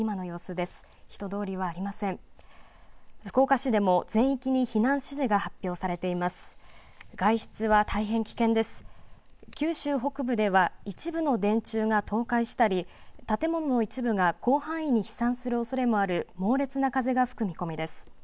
九州北部では一部の電柱が倒壊したり建物の一部が広範囲に飛散するおそれもある猛烈な風が吹く見込みです。